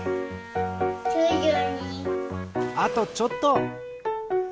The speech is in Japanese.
あとちょっと！